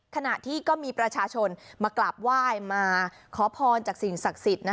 ขณะที่ก็มีประชาชนมากราบไหว้มาขอพรจากสิ่งศักดิ์สิทธิ์